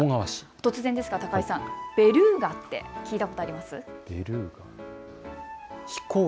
突然ですが高井さん、ベルーガって聞いたことありますか。